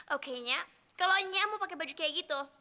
oke nya kalau nyamu pakai baju kayak gitu